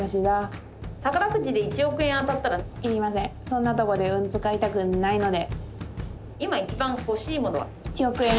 そんなとこで運使いたくないので。